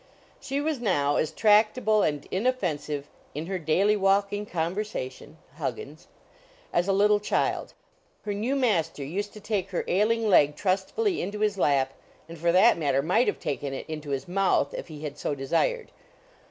She was now as tractable and inoffensive "in her daily walk and conversation" (Huggins) as a little child. Her new master used to take her ailing leg trustfully into his lap, and for that matter, might have taken it into his mouth if he had so desired.